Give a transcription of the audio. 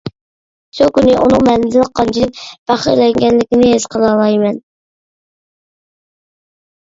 شۇ كۈنى ئۇنىڭ مەندىن قانچىلىك پەخىرلەنگەنلىكىنى ھېس قىلالايمەن.